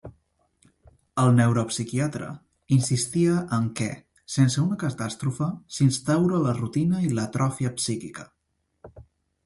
El neuropsiquiatre insistia en què, sense una catàstrofe, s'instaura la rutina i l'atròfia psíquica.